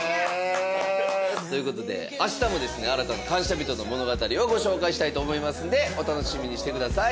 ということで明日もですね新たな感謝人の物語をご紹介したいと思いますのでお楽しみにしてください。